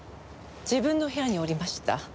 自分の部屋におりました。